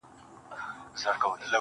د زړه ملا مي راته وايي دغه.